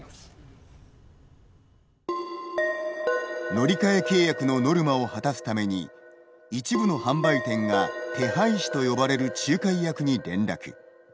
乗り換え契約のノルマを果たすために一部の販売店が手配師と呼ばれる仲介役に連絡。